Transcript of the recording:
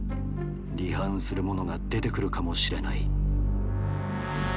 離反するものが出てくるかもしれない。